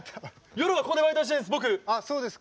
夜はここでバイトしてるんです。